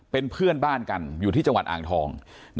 เป็นเพื่อนบ้านกันอยู่ที่จังหวัดอ่างทอง